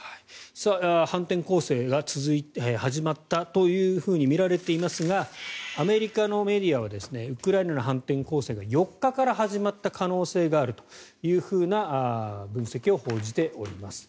反転攻勢が始まったとみられていますがアメリカのメディアはウクライナの反転攻勢が４日から始まった可能性があるという分析を報じております。